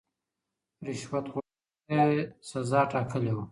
رشوت خوړونکو ته يې سزا ټاکلې وه.